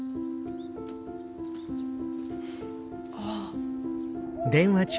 ああ。